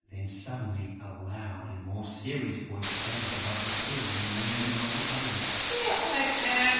Then, suddenly, a louder and more serious voice sounded above the silvery murmur of the others: "Here I am!"